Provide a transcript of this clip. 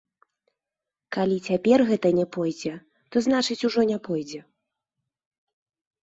Калі цяпер гэта не пойдзе, то, значыць, ужо не пойдзе.